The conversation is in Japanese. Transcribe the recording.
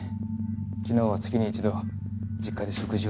昨日は月に一度実家で食事をする日でした。